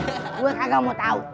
saya tidak mau tahu